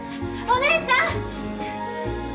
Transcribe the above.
お姉ちゃん？